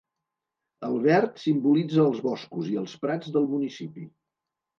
El verd simbolitza els boscos i els prats del municipi.